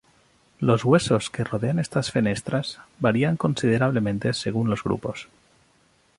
Los huesos que rodean estas fenestras varían considerablemente según los grupos.